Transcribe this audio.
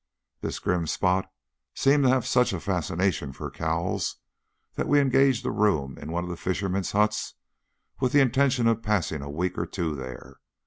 This grim spot seemed to have such a fascination for Cowles that we engaged a room in one of the fishermen's huts, with the intention of passing a week or two there.